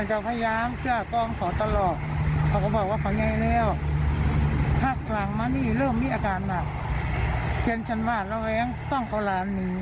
เอาฟังป้าหน่อยค่ะ